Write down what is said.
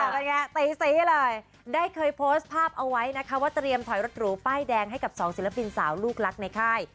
เป็นไงตีสีให้เลยได้เคยโพสต์ภาพเอาไว้นะคะว่าเตรียมถอยรถหรูป้ายแดงให้กับสองศิลปินสาวลูกรักในค่าย